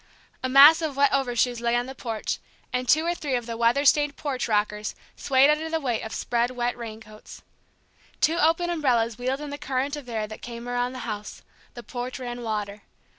A mass of wet over shoes lay on the porch, and two or three of the weather stained porch rockers swayed under the weight of spread wet raincoats. Two opened umbrellas wheeled in the current of air that came around the house; the porch ran water.